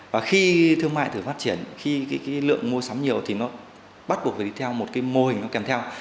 và khi thương mại thử phát triển khi lượng mua sắm nhiều thì nó bắt buộc phải đi theo một mô hình kèm theo